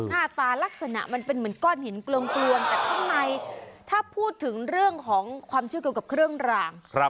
หน้าตาลักษณะมันเป็นเหมือนก้อนหินกลวงแต่ข้างในถ้าพูดถึงเรื่องของความเชื่อเกี่ยวกับเครื่องราง